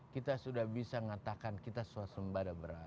kita sudah bisa mengatakan kita suasembada beras